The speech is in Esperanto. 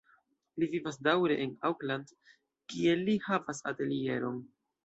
Li vivas daŭre en Auckland, kie li havas atelieron.